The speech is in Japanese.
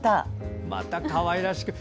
またかわいらしくて。